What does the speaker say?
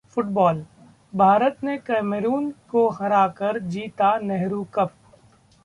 football: Bharat ने Cameroon को हरा जीता नेहरू कप